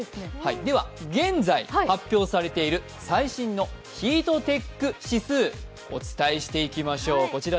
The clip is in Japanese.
では現在、発表されている最新のヒートテック指数をお伝えしていきましょう。